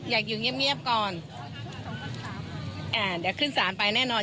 อยากอยู่เงียบเงียบก่อนอ่าเดี๋ยวขึ้นสารไปแน่นอน